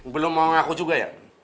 belum mau ngaku juga ya